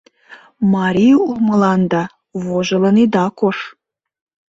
Марий улмыланда вожылын ида кошт.